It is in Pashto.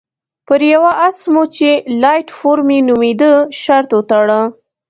پر یوه اس مو چې لایټ فور مي نومېده شرط وتاړه.